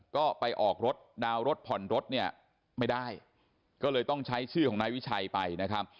ก็ไปออกรถดาวน์รถผ่อนรถเนี่ยไม่ได้ก็เลยต้องใช้ชื่อของนายวิชัยไปนะครับ